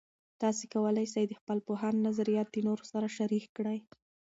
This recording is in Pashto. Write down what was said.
تاسې کولای سئ د خپل پوهاند نظریات د نورو سره شریک کړئ.